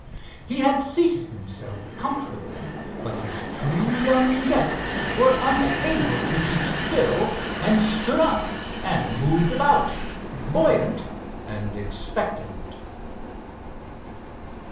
He had seated himself comfortably, but his two young guests were unable to keep still, and stood up and moved about, buoyant and expectant.